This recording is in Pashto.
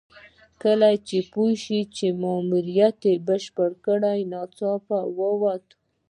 کله چې پوه شو ماموریت یې بشپړ کړی ناڅاپه ووت.